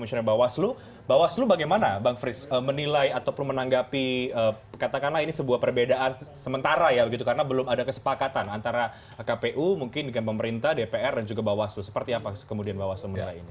bagaimana bang frits menilai ataupun menanggapi katakanlah ini sebuah perbedaan sementara ya begitu karena belum ada kesepakatan antara kpu mungkin dengan pemerintah dpr dan juga bawaslu seperti apa kemudian bawaslu menilai ini